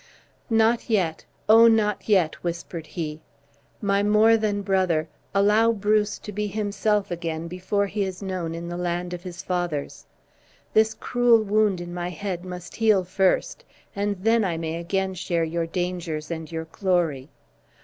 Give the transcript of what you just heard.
"Not yet; oh, not yet!" whispered he. "My more than brother, allow Bruce to be himself again before he is known in the land of his fathers! This cruel wound in my head must heal first, and then I may again share your dangers and your glory!